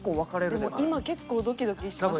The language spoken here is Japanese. でも今結構ドキドキしてましたよね。